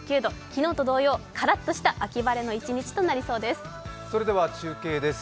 昨日と同様、カラッとした秋晴れの一日となりそうです。